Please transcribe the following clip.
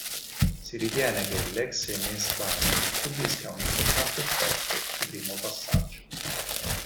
Si ritiene che l'exemestane subisca un importante effetto di primo passaggio.